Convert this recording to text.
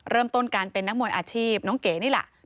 เริ่มต้นการเป็นนักมวยอาชีพน้องเก๋นี่แหละ